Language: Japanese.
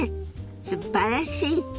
すばらしい！